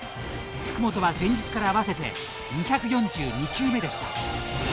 福本は前日から合わせて２４２球目でした。